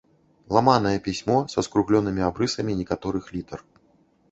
Ламанае пісьмо са скругленымі абрысамі некаторых літар.